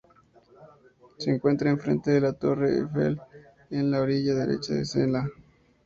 Se encuentra enfrente de la Torre Eiffel, en la orilla derecha del Sena.